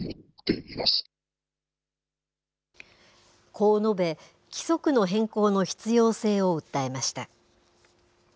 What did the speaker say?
こう述べ、規則の変更の必要性を訴えました。